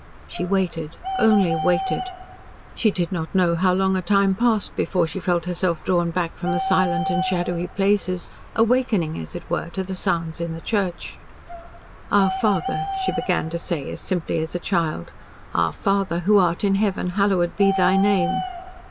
She waited only waited. She did not know how long a time passed before she felt herself drawn back from the silent and shadowy places awakening, as it were, to the sounds in the church. "Our Father," she began to say, as simply as a child. "Our Father who art in Heaven hallowed be thy name."